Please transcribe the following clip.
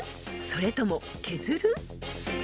それとも削る？］